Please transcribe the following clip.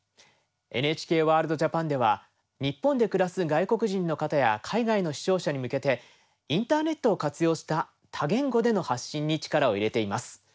「ＮＨＫワールドＪＡＰＡＮ」では日本で暮らす外国人の方や海外の視聴者に向けてインターネットを活用した多言語での発信に力を入れています。